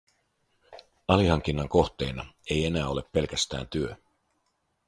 Alihankinnan kohteena ei enää ole pelkästään työ.